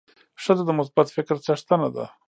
ښځه د مثبت فکر څښتنه ده.